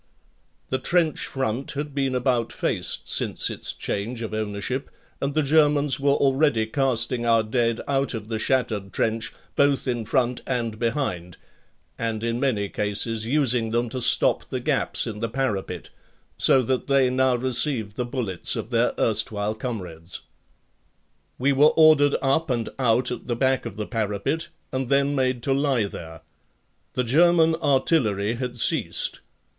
The trench front had been about faced since its change of ownership and the Germans were already casting our dead out of the shattered trench, both in front and behind, and in many cases using them to stop the gaps in the parapet; so that they now received the bullets of their erstwhile comrades. We were ordered up and out at the back of the parapet and then made to lie there. The German artillery had ceased.